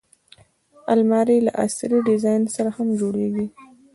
الماري له عصري ډیزاین سره هم جوړیږي